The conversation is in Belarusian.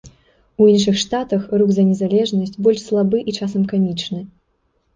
У іншыя штатах рух за незалежнасць больш слабы і часам камічны.